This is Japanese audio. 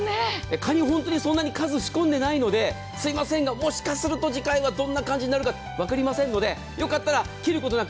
かに、本当にそんなに数を仕込んでないのですみませんが、もしかすると次回はどんな感じになるかわかりませんのでよかったら切ることなく。